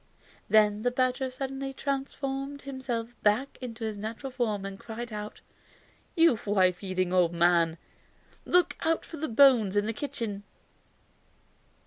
Then the badger suddenly transformed himself back to his natural form and cried out: "You wife eating old man! Look out for the bones in the kitchen!"